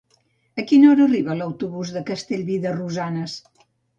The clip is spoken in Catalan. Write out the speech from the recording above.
A quina hora arriba l'autobús de Castellví de Rosanes?